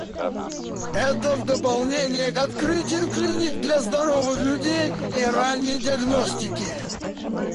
Это в дополнение к открытию клиник для здоровых людей и ранней диагностики.